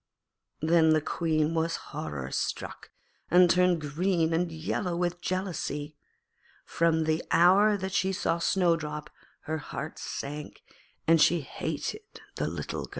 Then the Queen was horror struck, and turned green and yellow with jealousy. From the hour that she saw Snowdrop her heart sank, and she hated the little girl.